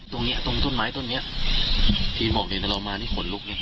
ตรงนี้ตรงต้นไม้ตรงนี้ทีนบอกเลยนะเรามานี่ขนลุกเนี่ย